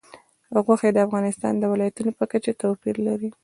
غوښې د افغانستان د ولایاتو په کچه توپیر لري.